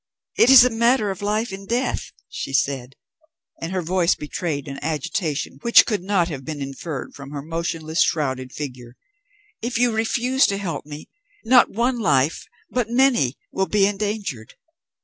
"It is a matter of life and death," she said, and her voice betrayed an agitation which could not have been inferred from her motionless shrouded figure. "If you refuse to help me, not one life, but many, will be endangered."